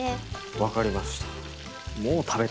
分かりました。